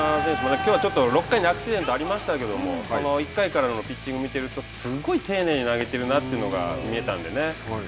きょうは６回にアクシデントがありましたけれども１回からのピッチングを見ているとすごいなというのが見えたんですよね。